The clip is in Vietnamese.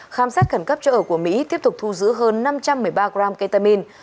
khám xét khẩn cấp chỗ ở của mỹ tiếp tục thu giữ hơn năm trăm một mươi ba gram ketamine